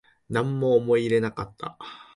なんも思い入れなかった